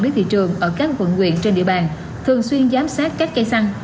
thị trường ở các quận nguyện trên địa bàn thường xuyên giám sát các cây săn